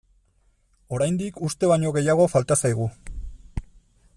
Oraindik uste baino gehiago falta zaigu.